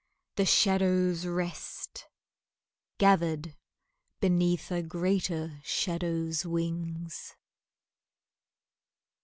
The shadows rest, Gathered beneath a greater shadow's wings.